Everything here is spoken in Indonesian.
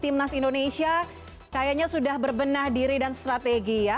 timnas indonesia kayaknya sudah berbenah diri dan strategi ya